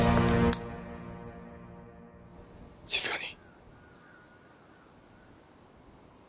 静かに。